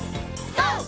ＧＯ！